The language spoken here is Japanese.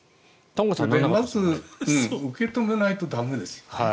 まず、受け止めないと駄目ですよね。